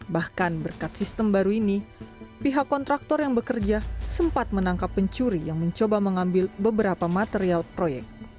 bahkan berkat sistem baru ini pihak kontraktor yang bekerja sempat menangkap pencuri yang mencoba mengambil beberapa material proyek